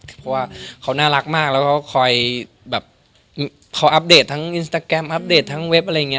เพราะว่าเขาน่ารักมากแล้วก็คอยแบบเขาอัปเดตทั้งอินสตาแกรมอัปเดตทั้งเว็บอะไรอย่างนี้